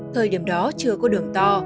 thời điểm đó chưa có đường to